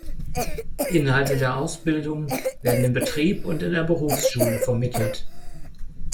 Inhalte der Ausbildung werden im Betrieb und in der Berufsschule vermittelt.